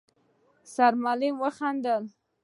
سرمعلم وخندل: